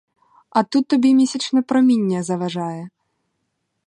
А тут тобі й місячне проміння заважає!